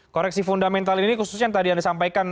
koreksi fundamental ini khususnya yang tadi anda sampaikan